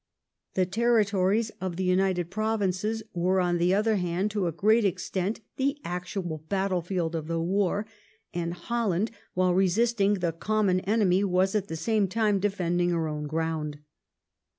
The terri tories of the United Provinces were, on the other hand, to a great extent the actual battlefield of the war, and Holland, while resisting the common enemy, was at the same time defending her own ground.